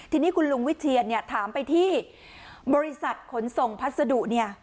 ทีนี้คุณลุงวิเชียนเนี่ยถามไปที่บริษัทขนส่งพัสดุเนี่ย